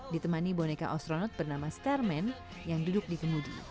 ditemani boneka astronot bernama stairman yang duduk di kemudi